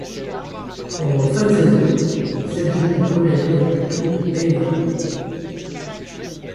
En fin de saison il s'adjuge la première étape du Tour de Hainan.